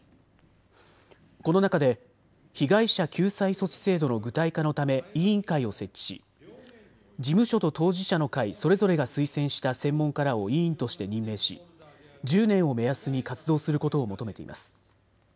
この中で被害者救済措置制度の具体化のため委員会を設置し事務所と当事者の会それぞれが推薦した専門家らを委員として任命し１０年を目安に活動することを求めています。